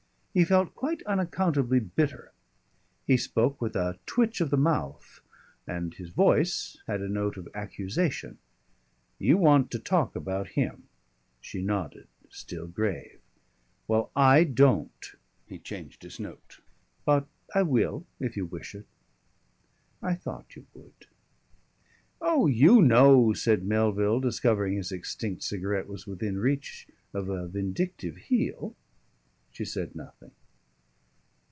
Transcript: He felt quite unaccountably bitter; he spoke with a twitch of the mouth and his voice had a note of accusation. "You want to talk about him." She nodded still grave. "Well, I don't." He changed his note. "But I will if you wish it." "I thought you would." "Oh, you know," said Melville, discovering his extinct cigarette was within reach of a vindictive heel. She said nothing.